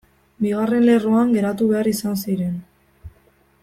Bigarren lerroan geratu behar izan ziren.